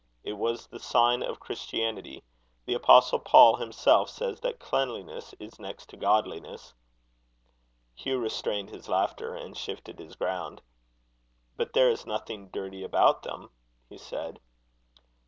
It was the sign of Christianity. The Apostle Paul himself says that cleanliness is next to godliness." Hugh restrained his laughter, and shifted his ground. "But there is nothing dirty about them," he said.